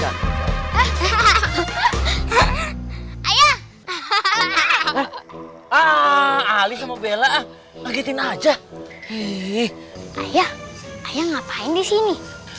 hahaha ali ali mah bella lagi tina aja eye father ngapain di sini